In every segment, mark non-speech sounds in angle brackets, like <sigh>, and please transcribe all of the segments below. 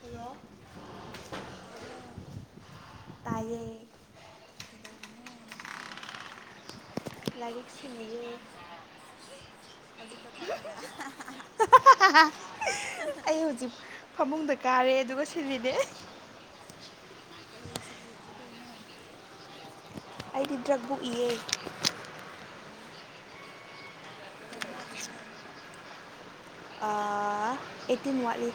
Hello ꯇꯥꯕ꯭ꯔꯣ ꯇꯥꯏꯌꯦ ꯀꯩꯗꯧꯔꯤꯅꯣ ꯂꯥꯏꯔꯤꯛ ꯁꯤꯜꯂꯤꯌꯦ ꯍꯧꯖꯤꯛꯇ ꯊꯣꯛꯔꯒ ꯑꯩ ꯍꯨꯖꯤꯛ ꯐꯃꯨꯡꯗ ꯀꯥꯔꯦ ꯑꯗꯨꯒ ꯁꯤꯂꯤꯅꯦ ꯀꯔꯤ ꯁꯕꯖꯦꯛ ꯏꯗꯣꯏꯅꯣ ꯑꯩꯗꯤ ꯗ꯭ꯔꯛꯕꯨꯛ ꯏꯌꯦ ꯑꯣ ꯀ꯭ꯌꯥꯝ ꯋꯥꯠꯂꯤꯍꯦ ꯑꯥ ꯑꯩꯠꯇꯤꯟ ꯋꯥꯠꯂꯤ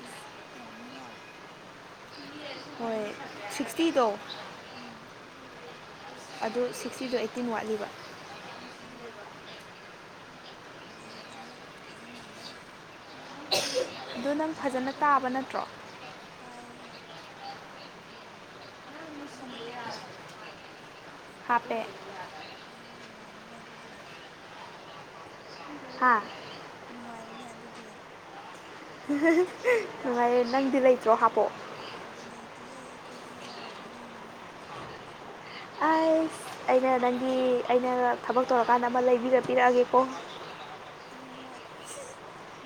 ꯑꯁ ꯌꯥꯝꯃꯤꯅ ꯍꯣꯏ ꯁꯤꯛꯁꯇꯤꯗꯣ ꯎꯝ ꯑꯗꯨ ꯁꯤꯛꯁꯇꯤꯗꯣ ꯑꯩꯠꯇꯤꯟ ꯋꯥꯠꯂꯤꯕ ꯑꯣ ꯐꯩꯌꯦ ꯐꯩꯌꯦ ꯐꯖꯅ ꯏꯔꯣ ꯑꯗꯨ ꯅꯪ ꯐꯖꯅ ꯇꯥꯕ ꯅꯠꯇ꯭ꯔꯣ ꯇꯥꯏꯌꯦ ꯍꯣꯏ ꯑꯃꯗꯣ ꯍꯥꯥꯞꯄ꯭ꯔꯥ ꯍꯥꯞꯄꯦ ꯑꯪ ꯅꯨꯡꯉꯥꯏꯔꯦꯅꯦ ꯑꯗꯨꯗꯤ ꯍꯥꯥ ꯅꯨꯡꯉꯥꯏꯔꯦꯅꯦ ꯑꯗꯨꯗꯤ ꯅꯨꯡꯉꯥꯏꯔꯦ ꯅꯪꯗꯤ ꯂꯩꯇ꯭ꯔꯣ ꯍꯥꯞꯄꯣ ꯂꯩꯇꯤꯌꯦ ꯑꯈꯣꯏꯗꯤ ꯂꯥꯏꯔꯕꯅꯦ ꯑꯥꯏꯁ ꯑꯩꯅ ꯅꯪꯒꯤ ꯑꯩꯅ ꯊꯕꯛ ꯇꯧꯔꯀꯥꯟꯗ ꯑꯃ ꯂꯩꯕꯤꯔ ꯄꯤꯔꯛꯑꯒꯦꯀꯣ ꯍꯣꯏ ꯍꯣꯏ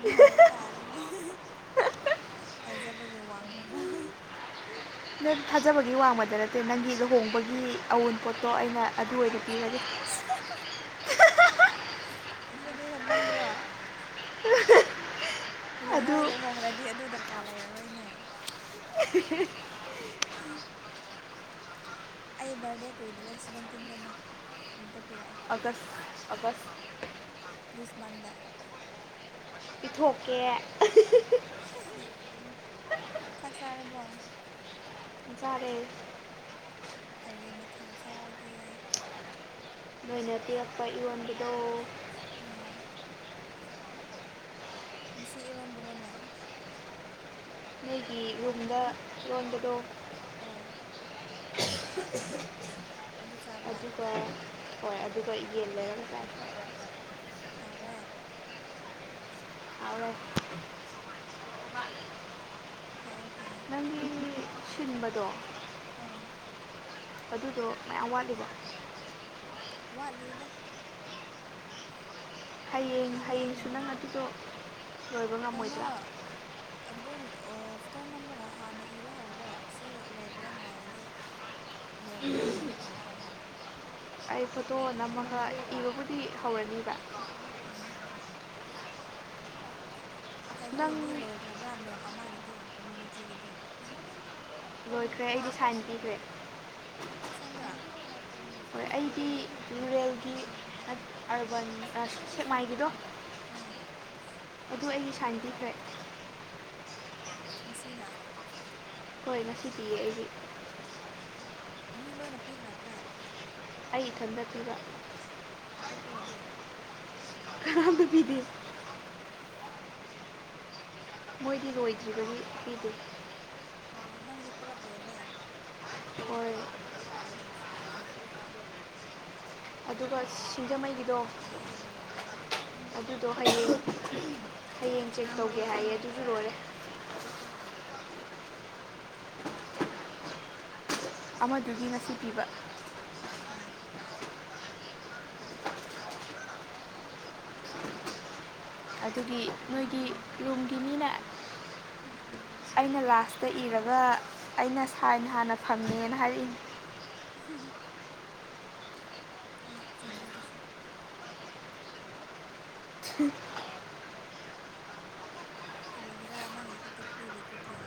ꯉꯥꯏꯕ ꯇꯥꯔꯦꯅꯦ ꯊꯥꯖꯕꯒꯤ ꯋꯥꯡꯃꯗ ꯅꯪ ꯊꯥꯖꯕꯒꯤ ꯋꯥꯡꯃꯗ ꯅꯠꯇꯦ ꯅꯪꯒꯤ ꯂꯨꯍꯣꯡꯕꯒꯤ ꯑꯎꯟ ꯄꯣꯠꯇꯣ ꯑꯩꯅ ꯑꯗꯨ ꯑꯣꯏꯅ ꯑꯁ ꯄꯤꯔꯒꯦ ꯑꯁ ꯑꯁ ꯑꯗꯨꯗꯤ ꯍꯦꯟꯃꯟꯗ꯭ꯔꯣ ꯑꯗꯨ ꯍꯌꯦꯡꯋꯥꯏ ꯂꯨꯍꯣꯡꯒ꯭ꯔꯗꯤ ꯑꯗꯨ ꯗꯔꯀꯥꯔ ꯂꯩꯔꯔꯣꯏꯅꯦ INAUDIBLE ꯑꯩ ꯕꯥꯔꯗꯦ ꯀꯨꯏꯗ꯭ꯔꯦ ꯁꯕꯦꯟꯇꯤꯟꯗꯅꯦ ꯑꯗꯨꯗ ꯄꯤꯔꯛꯑꯣ ꯍꯟꯗꯛ ꯑꯒꯁ ꯗꯤꯁ ꯃꯟꯗ ꯄꯤꯊꯣꯛꯀꯦ ꯍꯤꯍꯤ ꯍꯤ ꯆꯥꯛ ꯆꯥꯔꯕꯣ ꯆꯥꯔꯦ ꯀꯔꯤ ꯃꯊꯦꯜ ꯆꯥꯔꯒꯦ ꯅꯣꯏꯅ ꯄꯤꯔꯛꯄ ꯏꯔꯣꯟꯕꯤꯗꯣ ꯑꯥ ꯉꯁꯤ ꯏꯔꯣꯟꯕ꯭ꯔꯣꯅꯦ ꯅꯣꯏꯒꯤ ꯌꯨꯝꯗ ꯏꯔꯣꯟꯕꯗꯣ ꯑꯥꯑ ꯑꯗꯨ ꯆꯥꯕ꯭ꯔꯥ UNINTELLIGIBLE ꯍꯣꯏ ꯑꯗꯨꯒ ꯌꯦꯟ ꯂꯩꯔꯝꯗꯥꯏ ꯍꯥꯎꯔꯦ UNINTELLIGIBLE ꯐꯩꯌꯦ ꯐꯩꯌꯦ ꯅꯪꯒꯤ ꯃꯤ ꯁꯤꯟꯕꯗꯣ ꯑꯥꯑ ꯑꯗꯨꯗꯣ ꯃꯌꯥꯝ ꯋꯥꯠꯂꯤꯕꯣ ꯋꯥꯠꯂꯤꯗ ꯍꯌꯦꯡ ꯏꯕꯒ ꯍꯌꯦꯡꯁꯨ ꯅꯪ ꯉꯝꯗ꯭ꯔꯦ ꯑꯗꯨꯗꯣ ꯂꯣꯏꯕ ꯀꯩꯅꯣ ꯉꯝꯃꯣꯏꯗ꯭ꯔꯥ ꯑꯗꯨ ꯑꯣ ꯐꯣꯇꯣ ꯅꯝꯃꯒ ꯍꯥꯟꯅ ꯏꯕ ꯍꯧꯔꯣ ꯁꯤ ꯂꯣꯏꯕꯗ ꯅꯨꯡꯉꯥꯏꯔꯗꯤ INAUDIBLE ꯂꯣꯏꯕꯗꯣ ꯀꯩꯅꯣ ꯇꯧꯔꯅꯤ ꯑꯩ ꯐꯣꯇꯣ ꯈꯔ ꯈꯔ ꯅꯝꯃꯒ ꯏꯕꯕꯨꯗꯤ ꯍꯧꯔꯅꯤꯕ ꯎꯝ ꯅꯪ ꯀꯩꯅꯣꯒꯤꯗꯤ ꯂꯣꯏꯈ꯭ꯔꯕ꯭ꯔꯥ ꯃꯦꯝ ꯑꯃꯒꯤꯗꯣ ꯀꯝꯃ꯭ꯌꯨꯅꯤꯇꯤꯒꯤꯗꯣ ꯂꯣꯏꯈ꯭ꯔꯦ ꯑꯩꯗꯤ ꯁꯥꯏꯟ ꯄꯤꯈ꯭ꯔꯦ ꯑꯧ ꯑꯁꯦꯡꯕ꯭ꯔꯥ ꯍꯣꯏ ꯑꯩꯒꯤ ꯔꯨꯔꯦꯜꯒꯤ ꯑꯠ ꯑꯔꯕꯥꯟ ꯁꯦꯛ ꯁꯦꯛꯃꯥꯏꯒꯤꯗꯣ ꯑꯥꯑ ꯑꯗꯨ ꯑꯩꯒꯤ ꯁꯥꯏꯟ ꯄꯤꯈ꯭ꯔꯦ ꯉꯁꯤꯅ ꯍꯣꯏ ꯉꯁꯤ ꯄꯤꯌꯦ ꯑꯩꯗꯤ ꯃꯤ ꯂꯣꯏꯅ ꯄꯤꯈ꯭ꯔꯕ꯭ꯔꯥ ꯑꯩ ꯏꯊꯟꯇ ꯇꯨꯝꯕ ꯑꯇꯣꯞꯄꯒꯤꯗꯤ ꯀꯅꯥꯝꯇ ꯄꯤꯗꯦ UNINTELLIGIBLE ꯃꯣꯏꯗꯤ ꯂꯣꯏꯗ꯭ꯔꯤꯕꯒꯤ ꯄꯤꯗꯦ ꯑꯣꯑꯣ ꯅꯪꯒꯤꯗꯤ ꯄꯨꯂꯞ ꯂꯣꯏꯔꯦ ꯑꯣꯏ <inaudible> ꯑꯗꯨꯒ ꯁꯤꯡꯖꯃꯩꯒꯤꯗꯣ ꯑꯦ ꯂꯣꯏꯔꯗꯤ ꯑꯗꯨꯗꯣ ꯍꯌꯦꯡ ꯍꯌꯦꯡ ꯆꯦꯛ ꯇꯧꯒꯦ ꯍꯥꯏꯌꯦ ꯑꯗꯨꯁꯨ ꯂꯣꯏꯔꯦ ꯑꯃꯗꯨꯒꯤ ꯉꯁꯤ ꯄꯤꯕ ꯑꯣ ꯑꯗꯨꯒꯤ ꯅꯣꯏꯒꯤ ꯔꯨꯝꯒꯤꯅꯤꯅ ꯑꯩꯅ ꯂꯥꯁꯇ ꯏꯔꯒ ꯑꯩꯅ ꯁꯥꯏꯅ ꯍꯥꯟꯅ ꯐꯪꯉꯦꯅ ꯍꯥꯏꯔꯛꯏ <inaudible> ꯍꯣꯏ ꯆꯨꯝꯃꯦꯗꯨꯁꯨ <inaudible> ꯀꯔꯤꯒꯤꯔꯥ ꯅꯪꯒꯤ ꯈꯥꯛꯇ ꯄꯤꯔꯤꯗꯨꯗꯤ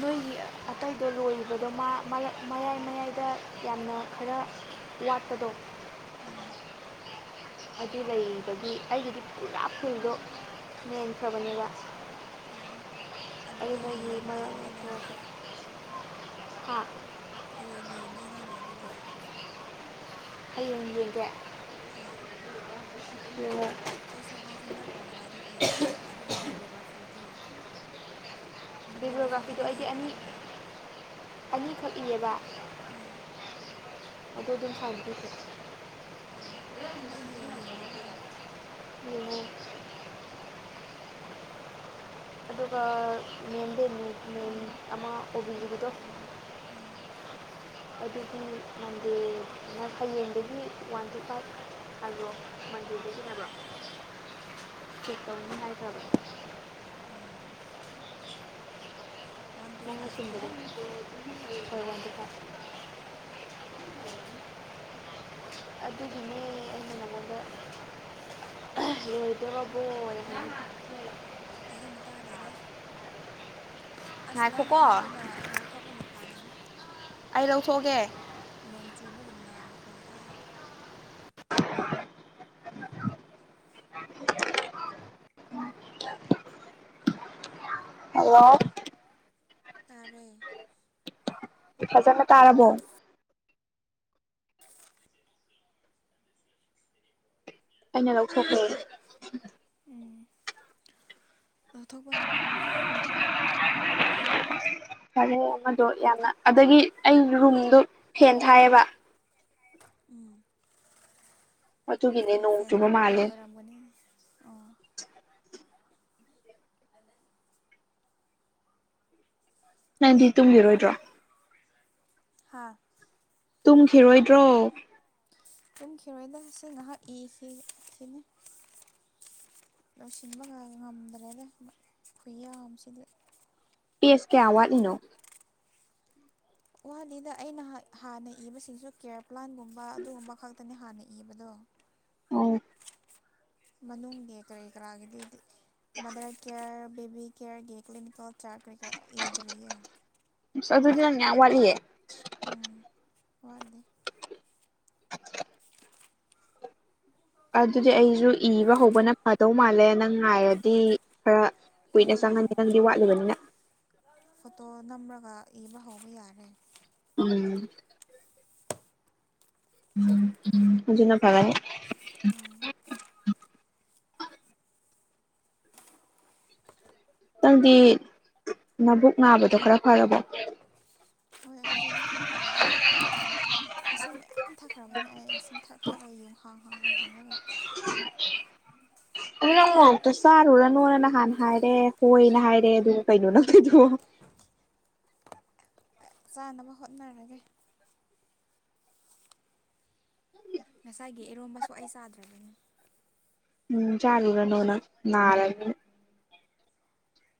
ꯅꯣꯏꯒꯤ ꯑꯇꯩꯗꯣ ꯂꯣꯏꯕꯗꯣ ꯃꯥ ꯃꯌꯥꯏ ꯃꯌꯥꯏꯗ ꯌꯥꯝꯅ ꯈꯔ ꯂꯥꯛꯄꯗꯣ ꯎꯝ ꯑꯗꯨ ꯂꯩꯔꯤꯕꯒꯤ ꯑꯩꯒꯤꯗꯤ ꯄꯨꯔꯥ ꯐꯨꯜꯗꯣ ꯃꯦꯟꯈ꯭ꯔꯕꯅꯦꯕ ꯑꯣ ꯑꯩ ꯑꯗꯨꯗꯤ ꯅꯣꯏꯒꯤ ꯍꯌꯦꯡ ꯃꯔꯛ ꯌꯦꯡꯒꯦ ꯅꯪꯒꯤ ꯃꯔꯛꯇ ꯍꯥ ꯍꯌꯦꯡ ꯌꯦꯡꯒꯦ ꯅꯪꯒꯤ ꯑꯗꯨꯗꯤ ꯍꯌꯦꯡ ꯌꯦꯡꯒꯦ ꯍꯣꯏ ꯍꯦꯡꯉꫭ ꯑꯩꯁꯨ ꯍꯥꯎꯁ ꯅꯝꯕꯔ ꯀ꯭ꯔꯤꯀꯔꯥꯗꯣ ꯏꯗ꯭ꯔꯤꯑꯦꯕ ꯑꯗꯨꯒ ꯚꯦꯕꯂꯣꯒ꯭ꯔꯥꯐꯤꯗꫭ ꯕꯤꯕꯂꯣꯒ꯭ꯔꯥꯐꯤꯗ ꯕꯤꯕ꯭ꯂꯤꯌꯣꯒ꯭ꯔꯥꯐꯤꯗꯣ ꯅꯪ ꯑꯩꯗꯤ ꯑꯅꯤ ꯏꯈ꯭ꯔꯕ꯭ꯔꯥ ꯑꯅꯤꯈꯛ ꯏꯌꯦꯕ ꯑꯥ ꯑꯗꯨ ꯑꯗꯨꯝ ꯁꯥꯏꯟ ꯄꯤꯈꯔꯦ ꯑꯣ ꯑꯩ ꯍꯌꯦꯡ ꯍꯦꯡꯒꯦꯀꯣ ꯍꯦꯡꯉꫭ ꯑꯗꯨꯒ ꯃꯦꯝꯗꯦꯃꯤ ꯃꯦꯟ ꯑꯃ ꯎꯕꯤꯔꯤꯕꯗꯣ ꯎꯝ ꯑꯗꯨꯗꯤ ꯎꯝ ꯅꯪ ꯍꯌꯦꯡꯗꯒꯤ ꯋꯥꯟ ꯇꯤ ꯐꯥꯏꯚ ꯑꯜꯂꯣ <unintelligible> ꯇꯤꯟꯅꯕꯔꫭ ꯆꯦꯛ ꯇꯧꯅꯤ ꯍꯥꯏꯈꯔꯕꯅꯦ ꯋꯥꯟ ꯇꯨ ꯅꯪꯅ ꯐꯥꯏꯚ ꯀꯣ ꯁꯤꯟꯕꯗꯣ ꯍꯣꯏ ꯋꯥꯟ ꯇꯨ ꯐꯥꯏꯚ ꯑꯗꯨꯒꯤꯅꯦ ꯑꯩꯅ ꯅꯉꫭꯟꯗ ꯂꫭꯏꯗꫭꯔꯕꫭꯅ ꯍꯥꯏ ꯐꯖꯅ ꯇꯥꯗꯦꯗ ꯑꯁ ꯂꯪ ꯉꯥꯏꯈꯣꯀꯣ ꯑꯃꯗꯨꯅ ꯂꯧꯊꯣꯛꯄꯅ ꯐꯒꯅꯤ ꯑꯩ ꯂꯧꯊꯣꯛꯑꯒꯦ ꯅꯣꯡ ꯆꯨꯕꯒꯨꯝꯅ ꯃꯈꯣꯟ ꯇꯥꯏ ꯍꯜꯂꯣ! ꯇꯔꯦ ꯐꯖꯅ ꯇꯥꯔꯥꯕꯣ ꯑꯩꯅ ꯂꯧꯊꯣꯛꯈ꯭ꯔꯦ ꯂꯧꯊꯣꯛꯄꯅ ꯐꯥꯔꯦ ꯐꯔꯦ ꯑꯃꯗꯣ ꯌꯥꯝꯅ ꯑꯗꯒꯤ ꯑꯩ ꯔꯨꯝꯗꯨ ꯐꯦꯟ ꯊꯥꯏꯌꯦꯕ ꯑꯗꯨꯒꯤꯅꯦ ꯑꯣ ꯅꯣꯡ ꯐꯦꯟꯒꯤ ꯆꯨꯕ ꯃꯈꯣꯟ ꯃꯥꯜꯂꯦ ꯑꯣꯏꯔꯝꯒꯅꯤ ꯑꯣ ꯅꯪꯗꯤ ꯇꯨꯝꯒꯤꯔꯣꯏꯗ꯭ꯔꯣ ꯍꯥꯥ ꯇꯨꯝꯈꯤꯔꯣꯏꯗ꯭ꯔꯣ ꯇꯧꯝꯈꯤꯔꯣꯏꯗ ꯁꯤ ꯉꯥꯏꯍꯥꯛ ꯏꯈꯤꯒꯦ ꯈꯤꯅꯤ ꯂꯣꯏꯁꯤꯟꯕ ꯉ ꯉꯝꯗ꯭ꯔꯦꯅꯦ ꯈꯨꯌꯥꯝꯁꯤꯗꯤ ꯄꯦꯁ ꯀꯌꯥ ꯋꯥꯠꯂꯤꯅꯣ ꯋꯥꯗꯦꯗ ꯑꯩꯅ ꯍ ꯍꯥꯟꯅ ꯏꯕꯁꯤꯡꯁꯨ ꯀꯦꯌꯔ ꯄ꯭ꯂꯥꯟꯒꯨꯝꯕ ꯑꯗꯨꯒꯨꯝꯕ ꯈꯛꯇꯅꯦ ꯍꯥꯟꯅ ꯏꯕꯗꯣ ꯑꯣ ꯃꯅꯨꯡꯒꯤ ꯀꯔꯤ ꯀꯔꯥꯒꯤꯗꯤꯗꯤ ꯃꯗꯔ ꯀꯤꯌꯔ ꯕꯦꯕꯤ ꯀꯤꯌꯔꯒꯤ ꯀꯂꯤꯅꯤꯀꯦꯜ ꯆꯥꯔꯠ ꯀ꯭ꯔꯤ ꯀ꯭ꯔꯥ ꯏꯗ꯭ꯔꯤꯌꯦ ꯑꯁ ꯑꯗꯨꯗꯤ ꯅꯪ ꯌꯥꯝ ꯋꯥꯠꯂꯤꯌꯦ ꯋꯥꯠꯗꯦ <unintelligible> ꯑꯗꯨꯗꯤ ꯑꯩꯖꯨ ꯏꯕ ꯍꯧꯕꯅ ꯐꯗꯧ ꯃꯥꯜꯂꯦ ꯅꯪ ꯉꯥꯏꯔꯗꯤ ꯈꯔ ꯀꯨꯏꯅ ꯆꯪꯉꯅꯤ ꯑꯗꯨꯅꯦ ꯅꯪꯗꯤ ꯋꯥꯠꯂꯤꯕꯅꯤꯅ ꯐꯣꯇꯣ ꯅꯝꯔꯒ ꯏꯕ ꯍꯧꯕ ꯌꯥꯔꯦ ꯎꯝ ꯑꯖꯤꯅ ꯐꯔꯅꯤ ꯎꯝ ꯅꯪꯗꯤ ꯅꯕꯨꯛ ꯅꯥꯕꯗꯣ ꯈꯔ ꯐꯔꯕꯣ ꯑꯦ ꯍꯧꯖꯤꯛꯇꯤ ꯈꯔ ꯐꯔꯦ ꯏꯁꯤꯡ ꯃꯌꯥꯝ ꯊꯛꯈ꯭ꯔꯕꯅꯦ ꯑꯩ ꯏꯁꯤꯡ ꯊꯛ ꯊꯛꯂꯒ ꯌꯨꯡ ꯍꯥꯡ ꯍꯥꯡ ꯍꯥꯡ ꯍꯥꯡꯔꯒ ꯑꯗꯨ ꯅꯪ ꯃꯣꯔꯣꯛꯇꯣ ꯆꯥꯔꯨꯔꯅꯨꯅ ꯅꯍꯥꯟ ꯍꯥꯏꯔꯦ ꯍꯣꯏꯅ ꯍꯥꯏꯔꯦ ꯑꯗꯨ ꯀꯩꯅꯣ ꯅꯪ ꯇꯩꯗꯨꯕꯣ ꯆꯥꯅꯕ ꯍꯣꯠꯅꯔꯒꯦ ꯉꯁꯥꯏꯒꯤ ꯏꯔꯣꯝꯕꯁꯨ ꯑꯩ ꯆꯥꯗ꯭ꯔꯕꯅꯤ ꯎꯝ ꯆꯥꯔꯨꯔꯅꯣ ꯅꯪ ꯅꯥꯔꯅꯤ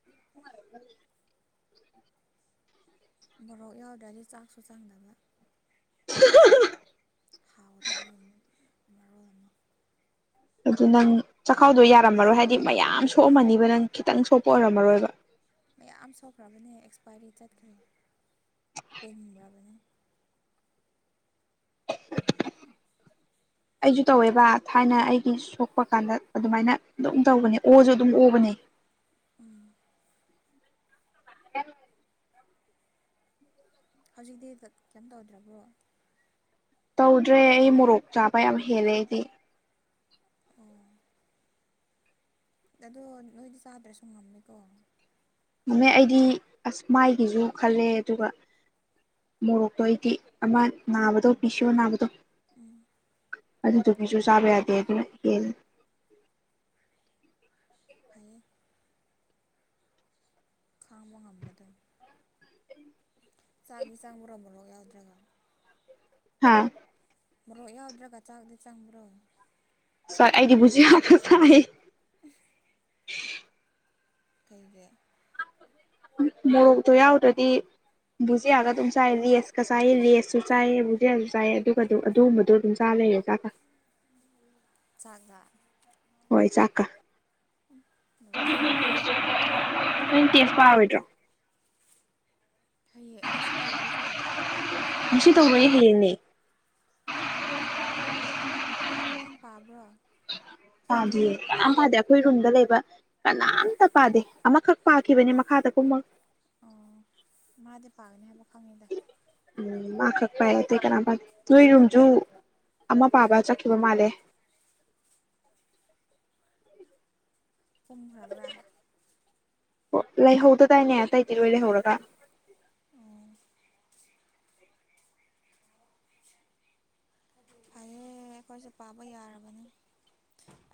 <unintelligible> ꯃꯣꯔꯣꯛ ꯌꯥꯎꯗ꯭ꯔꯗꯤ ꯆꯥꯛꯁꯨ ꯆꯥꯡꯗꯕ <unintelligible> ꯍꯥꯎꯒꯗꯕꯒꯤꯅ ꯃꯔꯣꯜ ꯑꯃ ꯑꯗꯨ ꯅꯪ ꯆꯈꯥꯎꯗꯣ ꯌꯥꯔꯝꯃꯔꯣꯏ ꯍꯥꯏꯗꯤ ꯃꯌꯥꯝ ꯁꯣꯛꯑꯝꯃꯅꯤꯕ ꯅꯪ ꯈꯤꯇꯪ ꯁꯣꯛꯄ ꯑꯣꯏꯔꯝꯃꯔꯣꯏꯕ ꯃꯌꯥꯝ ꯁꯣꯛꯈ꯭ꯔꯕꯅꯦ ꯑꯦꯛꯁꯄꯥꯏꯔꯤ ꯆꯠꯈ꯭ꯔꯦ ꯄꯨꯝꯔꯕꯅꯦ ꯑꯩꯖꯨ ꯇꯧꯋꯦꯕ ꯊꯥꯏꯅ ꯑꯩꯒꯤ ꯁꯣꯛꯄ ꯀꯥꯟꯗ ꯑꯗꯨꯃꯥꯏꯅ ꯑꯗꯨꯝ ꯇꯧꯕꯅꯦ ꯑꯣꯖꯨ ꯑꯗꯨꯝ ꯑꯣꯕꯅꯦ ꯎꯝ <unintelligible> ꯍꯧꯖꯤꯛꯇꯤ ꯀ ꯀꯩꯝ ꯇꯧꯗ꯭ꯔꯕꯣ ꯇꯧꯗ꯭ꯔꯦ ꯑꯩ ꯃꯣꯔꯣꯛ ꯆꯥꯕ ꯌꯥꯝ ꯍꯦꯜꯂꯦ ꯑꯩꯗꯤ ꯑꯣ ꯑꯗꯣ ꯅꯣꯏꯗꯤ ꯆꯥꯗ꯭ꯔꯁꯨ ꯉꯝꯃꯦꯀꯣ ꯉꯝꯃꯦ ꯑꯩꯗꯤ ꯑꯁ ꯃꯥꯏꯒꯤꯖꯨ ꯈꯜꯂꯦ ꯑꯗꯨꯒ ꯃꯣꯔꯣꯛꯇꯣ ꯑꯩꯗꯤ ꯑꯃ ꯅꯥꯕꯗꯣ ꯄꯤꯁꯤꯑꯣ ꯅꯥꯕꯗꯣ ꯎꯝ ꯑꯗꯨꯗꯨꯒꯤꯖꯨ ꯆꯥꯕ ꯌꯥꯗꯦ ꯑꯗꯨꯅ ꯍꯦꯜꯂꯦ ꯐꯩꯌꯦ ꯈꯥꯡꯕꯥ ꯉꯝꯃꯗꯣ ꯆꯥꯛꯇꯤ ꯆꯪꯕ꯭ꯔꯣ ꯃꯣꯔ ꯃꯣꯔꯣꯛ ꯌꯥꯎꯗ꯭ꯔꯒ ꯍꯥꯥ ꯃꯣꯔꯣꯛ ꯌꯥꯎꯗ꯭ꯔꯒ ꯆꯥꯛꯇꯤ ꯆꯪꯕ꯭ꯔꯣ ꯆꯥꯛ ꯑꯩꯗꯤ ꯕꯨꯖꯤꯌꯥꯀꯥ ꯆꯥꯏꯌꯦ ꯀꯩꯒꯤ ꯃꯣꯔꯣꯛꯇꯣ ꯌꯥꯎꯗ꯭ꯔꯗꯤ ꯕꯨꯖꯤꯛꯒ ꯑꯗꯨꯝ ꯆꯥꯏ ꯂꯦꯁꯀ ꯆꯥꯏꯌꯦ ꯂꯦꯁ ꯁꯤ ꯆꯥꯏꯌꯦꯕꯨꯖꯤꯌꯥꯁꯨ ꯆꯥꯏꯌꯦ ꯑꯗꯨꯒ ꯑꯗꯨꯝ ꯑꯗꯨꯒꯨꯝꯕꯗꯣ ꯑꯗꯨꯝ ꯆꯥ ꯂꯩꯔꯦ ꯆꯥꯛꯀꯥ ꯆꯥꯛꯀ ꯍꯣꯏ ꯆꯥꯛꯀ ꯂꯣꯏꯔꯦꯍꯦ ꯅꯣꯏ ꯇꯦꯁ ꯄꯥꯔꯣꯏꯗ꯭ꯔꯣ ꯍꯌꯦꯡ ꯉꯁꯤ ꯇꯧꯗ꯭ꯔꯦꯀꯣ ꯉꯁꯤ ꯇꯧꯔꯣꯏꯌꯦ ꯍꯌꯦꯡꯅꯦ ꯅꯪ ꯄꯥꯕ꯭ꯔꯣ ꯄꯥꯗꯤꯌꯦ ꯀꯅꯥꯝ ꯄꯥꯗꯦ ꯑꯩꯈꯣꯏ ꯔꯨꯝꯗ ꯂꯩꯕ ꯀꯅꯥꯝꯇ ꯄꯥꯗꯦ ꯑꯃꯈꯛ ꯄꯥꯈꯤꯕꯅꯦ ꯃꯈꯥꯗ ꯀꯨꯝꯃꯒ ꯑꯣ ꯃꯥꯗꯤ ꯄꯥꯒꯅꯤ ꯍꯥꯏꯕ ꯈꯪꯉꯤꯗ ꯎꯝ ꯃꯥ ꯈꯛ ꯄꯥꯏꯌꯦ ꯑꯇꯩ ꯀꯅꯥꯝ ꯄꯥꯗꯦ ꯑꯃ ꯄꯥꯕ ꯆꯠꯈꯤꯕ ꯃꯥꯜꯂꯦ ꯀꯨꯝꯈ꯭ꯔꯕ꯭ꯔꯥ ꯑꯣ ꯂꯩꯍꯧꯗꯗꯥꯏꯅꯦ ꯑꯇꯩꯗꯤꯂꯣꯏ ꯂꯩꯍꯧꯔꯒ ꯑꯣ ꯍꯦ ꯑꯩꯈꯣꯏꯁꯨ ꯄꯥꯕꯤ ꯌꯥꯔꯕꯅꯤ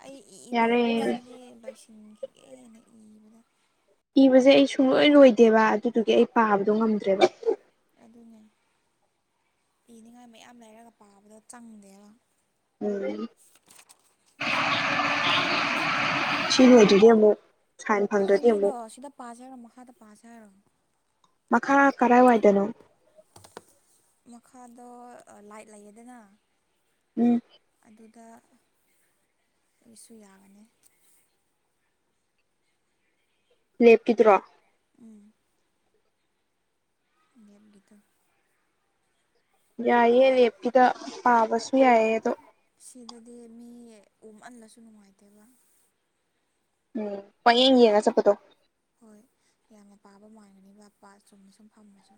ꯑꯩ ꯌꯥꯔꯦ ꯏꯕꯁꯤꯗꯤ ꯂꯣꯏꯁꯤꯟ ꯂꯣꯏꯁꯟꯈꯤꯒꯦꯅ ꯏꯕꯗꯥ ꯏꯕꯁꯦ ꯑꯩ ꯁꯨꯡꯂꯣꯏ ꯂꯣꯏꯗꯦꯕ ꯑꯗꯨꯗꯨꯒꯤ ꯑꯩ ꯄꯥꯕꯗꯣ ꯉꯝꯗ꯭ꯔꯦꯕ ꯑꯗꯨꯅꯦ ꯏꯅꯤꯡꯉꯥꯏ ꯃꯌꯥꯝ ꯂꯩꯔꯒ ꯄꯥꯕꯗꯣ ꯆꯪꯗꯦꯕ ꯎꯝ ꯁꯤ ꯅꯨꯃꯤꯠꯇꯨꯗꯤ ꯑꯃꯨꯛ ꯁꯥꯏꯟ ꯐꯪꯗ꯭ꯔꯗꯤ ꯑꯩꯈꯣꯏꯅꯤꯗꯣ ꯑꯃꯨꯛ ꯁꯤꯗ ꯄꯥꯁꯦ ꯍꯥꯏꯔꯣ ꯃꯈꯥꯗ ꯄꯥꯁꯦ ꯍꯥꯏꯔꯣ ꯃꯈꯥ ꯀꯔꯥꯏꯋꯥꯏꯗꯅꯣ ꯃꯈꯥꯗꯣ ꯂꯥꯏꯠ ꯂꯩꯌꯦꯗꯅ ꯎꯝ ꯑꯗꯨꯗ ꯑꯩꯁꯨ ꯌꯥꯒꯅꯤ ꯂꯦꯞꯀꯤꯗꯨꯔꯣ ꯎꯝ ꯒꯤꯇꯥ ꯌꯥꯏꯌꯦ ꯂꯦꯞꯀꯤꯗ ꯄꯥꯕꯁꯨ ꯌꯥꯏꯑꯦ ꯑꯗꯣ ꯁꯤꯗꯗꯤ ꯃꯤ ꯎꯃꯜꯂꯁꯨ ꯅꯨꯡꯉꯥꯏꯇꯦꯕ ꯎꯝ ꯄꯌꯦꯡ ꯌꯦꯡꯉꯥꯒ ꯆꯠꯄꯗꯣ ꯍꯣꯏ ꯌꯥꯝꯅ ꯄꯥꯕ ꯃꯥꯟꯒꯅꯤꯕ ꯄꯥ ꯆꯨꯝꯅ ꯁꯨꯝ ꯐꯝꯃꯁꯨ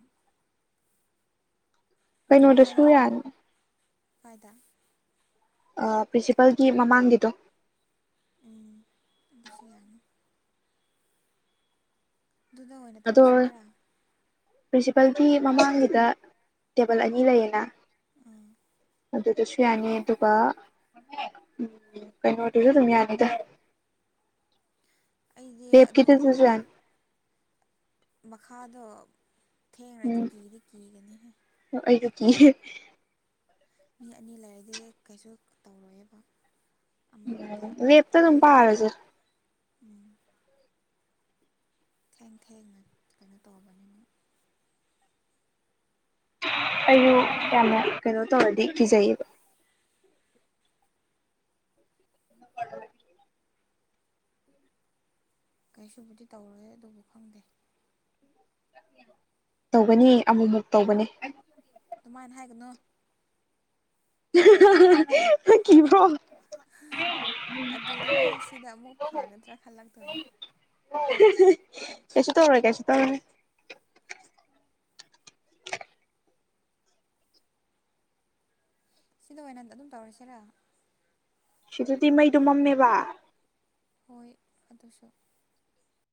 ꯀꯩꯅꯣꯗꯁꯨ ꯒꯨꯟꯅꯥꯏꯠ ꯌꯥꯅꯤ ꯀꯥꯏꯗ ꯑꯥ ꯄ꯭ꯔꯤꯟꯁꯤꯄꯜꯒꯤ ꯃꯃꯥꯡꯒꯤꯗꯣ ꯎꯝ ꯑꯗꯨꯁꯨ ꯌꯥꯅꯤ ꯑꯗꯨꯅ ꯑꯣꯏꯅ ꯇꯧꯔꯁꯦ ꯍꯥꯏꯔꯥ ꯄ꯭ꯔꯤꯟꯁꯤꯄꯜꯒꯤ ꯃꯃꯥꯡꯒꯤꯗ ꯇꯦꯕꯜ ꯑꯅꯤ ꯂꯩꯌꯦꯅ ꯑꯗꯨꯗꯁꯨ ꯌꯥꯅꯤ ꯑꯗꯨꯒ ꯎꯝ ꯀꯩꯅꯣꯗꯨꯁꯨ ꯑꯗꯨꯝ ꯌꯥꯅꯤꯗ ꯑꯩꯗꯤ ꯑꯗꯨ ꯂꯦꯞꯀꯤꯗꯨꯗꯁꯨ ꯌꯥꯅꯤ ꯃꯈꯥꯗꯣ ꯊꯦꯡꯔꯗꯤ ꯀꯤꯗꯤ ꯀꯤꯒꯅꯤꯍꯦ ꯑꯩꯗꯣ ꯀꯤꯌꯦ ꯃꯤ ꯑꯅꯤ ꯂꯩꯔꯗꯤ ꯀꯩꯁꯨ ꯇꯧꯔꯣꯏꯌꯦꯕ ꯑꯃ ꯈꯛꯇ ꯂꯦꯞꯇ ꯑꯗꯨꯝ ꯑꯩꯗꯤ ꯄꯥꯔꯁꯦ ꯎꯝ ꯊꯦꯡ ꯊꯦꯡꯅ ꯀꯩꯅꯣ ꯇꯧꯕꯅꯤꯅ ꯑꯩꯖꯨ ꯌꯥꯝꯅ ꯀꯩꯅꯣ ꯇꯧꯔꯗꯤ ꯀꯤꯖꯩꯌꯦꯕ <inaudible> ꯀꯩꯁꯨꯕꯨꯗꯤ ꯇꯧꯔꯣꯏ ꯑꯗꯨꯕꯨ ꯈꯪꯗꯦ <inaudible> ꯇꯧꯒꯅꯤ ꯑꯃꯨꯃꯨꯛ ꯇꯧꯕꯅꯦ ꯑꯗꯨꯃꯥꯏꯅ ꯍꯥꯏꯒꯅꯣ <unintelligible> ꯀꯤꯕ꯭ꯔꯣ ꯑꯗꯨꯗꯅꯦ ꯁꯤꯗ ꯑꯃꯨꯛ ꯐꯒꯗ꯭ꯔꯥ ꯈꯜꯂꯛꯇꯣꯏꯅꯦ ꯀꯩꯁꯨ ꯇꯧꯔꯣꯏ ꯀꯩꯁꯨ ꯇꯧꯔꯣꯏ ꯁꯤꯗ ꯑꯣꯏꯅ ꯑꯗꯨꯝ ꯇꯧꯔꯁꯦꯔꯥ ꯁꯤꯗꯗꯤ ꯃꯩꯗꯨ ꯃꯝꯃꯦꯕ ꯍꯣꯏ ꯑꯗꯨꯁꯨ